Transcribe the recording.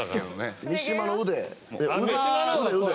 三島の腕。